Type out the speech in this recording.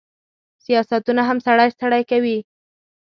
سیاستونه هم سړی ستړی کوي.